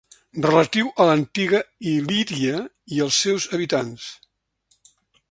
Relatiu a l'antiga Il·líria i als seus habitants.